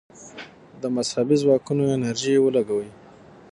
د مذهبي ځواکونو انرژي ولګوي.